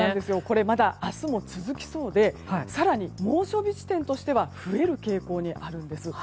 これまだ明日も続きそうで更に猛暑日地点としては増える傾向にあるんです。